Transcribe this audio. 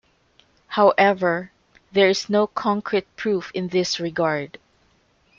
However, there is no concrete proof in this regard.